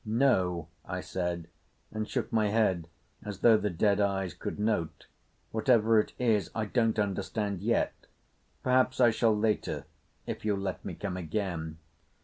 "No," I said, and shook my head as though the dead eyes could note. "Whatever it is, I don't understand yet. Perhaps I shall later—if you'll let me come again."